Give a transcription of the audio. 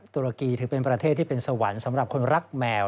ตุรกีถือเป็นประเทศที่เป็นสวรรค์สำหรับคนรักแมว